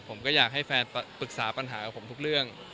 ผมก็อยากให้แฟนปรึกษาปัญหากับผมทุกเรื่อง